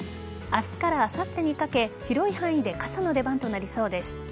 明日からあさってにかけ広い範囲で傘の出番となりそうです。